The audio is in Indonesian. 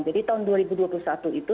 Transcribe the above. jadi tahun dua ribu dua puluh satu itu